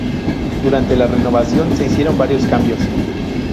Durante la renovación se hicieron varios cambios.